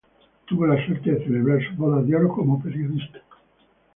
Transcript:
Tuvo la suerte de celebrar sus bodas de oro como periodista.